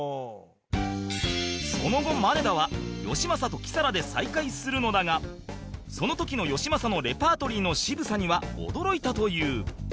その後まねだはよしまさとキサラで再会するのだがその時のよしまさのレパートリーの渋さには驚いたという